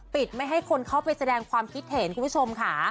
ไม่ให้คนเข้าไปแสดงความคิดเห็นคุณผู้ชมค่ะ